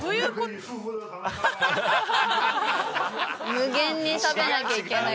無限に食べなきゃいけない。